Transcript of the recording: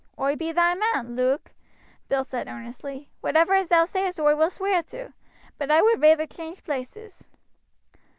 "Oi be thy man, Luke," Bill said earnestly. "Whatever as thou sayest oi will sweer to; but I would reyther change places."